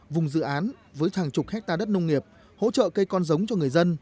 vùng dự án với hàng chục hectare đất nông nghiệp hỗ trợ cây con giống cho người dân